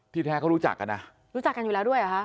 แท้เขารู้จักกันนะรู้จักกันอยู่แล้วด้วยเหรอคะ